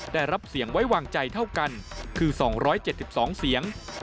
ได้รับเสียงไว้วางใจเท่ากันคือ๒๗๒เสียง